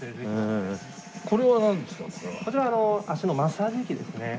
こちら足のマッサージ器ですね。